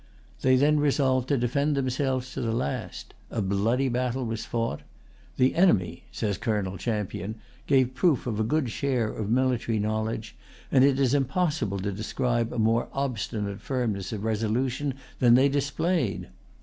They then resolved to defend themselves to the last. A bloody battle was fought. "The enemy," says Colonel Champion, "gave proof of a good share of military knowledge; and it is impossible to describe a more obstinate firmness of resolution than they displayed."